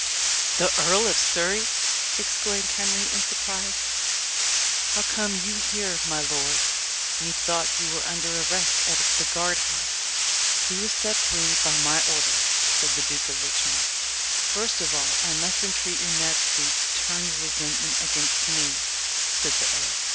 "The Earl of Surrey!" exclaimed Henry, in surprise. "How come you here, my lord? Methought you were under arrest at the guard house." "He was set free by my orders," said the Duke of Richmond. "First of all I must entreat your majesty to turn your resentment against me," said the earl.